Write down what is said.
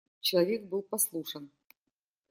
Человек был послушен.